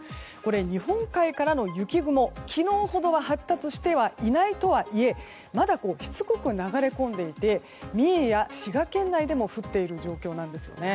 日本海からの雪雲昨日ほど発達していないとはいえまだしつこく流れ込んでいて三重や滋賀県内でも降っている状況なんですよね。